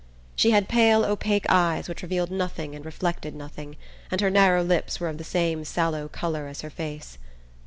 She had pale opaque eyes which revealed nothing and reflected nothing, and her narrow lips were of the same sallow colour as her face.